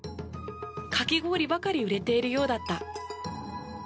かき氷ばかり売れているようだった。